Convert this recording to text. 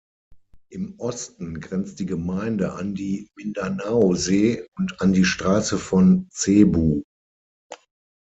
Im Osten grenzt die Gemeinde an die Mindanaosee und an die Straße von Cebu.